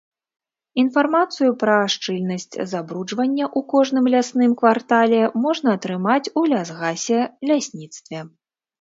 Інфармацыю пра шчыльнасць забруджвання ў кожным лясным квартале можна атрымаць у лясгасе, лясніцтве.